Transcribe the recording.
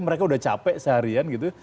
mereka udah capek seharian gitu